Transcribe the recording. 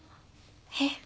えっ？